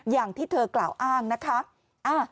อย่างที่เธอกล่าวอ้างนะคะ